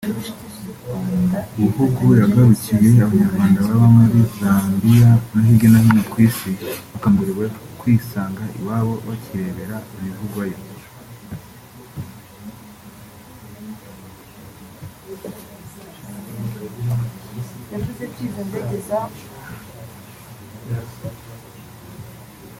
Buhungu yakanguriye Abanyarwanda baba muri Zambia no hirya no hino ku Isi bakanguriwe kwisanga iwabo bakirebera ibivugwayo